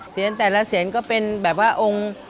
แต่ละเสียนก็เป็นแบบว่าองค์